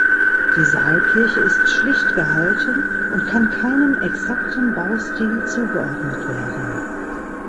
Die Saalkirche ist schlicht gehalten und kann keinem exakten Baustil zugeordnet werden.